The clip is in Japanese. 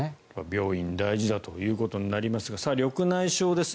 病院、大事だということになりますがさあ、緑内障です。